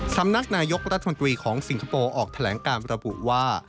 สำนักนายกรัฐมนตรีของสิงคโปร์ออกแถลงการระบุว่า